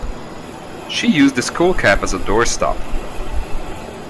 She used the skull cap as a doorstop.